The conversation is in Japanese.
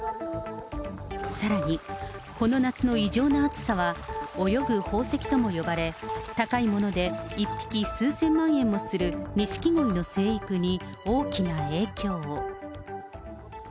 さらに、この夏の異常な暑さは、泳ぐ宝石とも呼ばれ、高いもので１匹数千万円もするニシキゴイの成育に、大きな影響を。